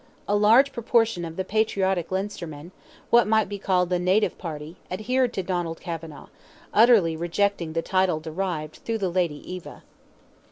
A large proportion of the patriotic Leinstermen—what might be called the native party—adhered to Donald Kavanagh, utterly rejecting the title derived through the lady Eva.